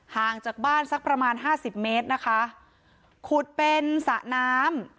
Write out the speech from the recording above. ห่างจากบ้านสักประมาณห้าสิบเมตรนะคะขุดเป็นสระน้ำ